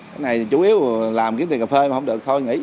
cái này chủ yếu là làm kiếm tiền cà phê mà không được thôi nghĩ